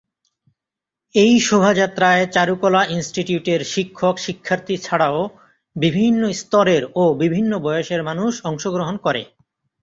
এই শোভাযাত্রায় চারুকলা ইন্সটিটিউটের শিক্ষক শিক্ষার্থী ছাড়াও বিভিন্ন স্তরের ও বিভিন্ন বয়সের মানুষ অংশগ্রহণ করে।